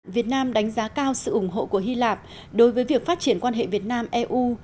việt nam đánh giá cao sự ủng hộ của hy lạp đối với việc phát triển quan hệ việt nam eu